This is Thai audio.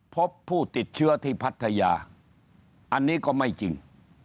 พบผู้ติดเชื้อที่พัทยาอันนี้ก็ไม่จริง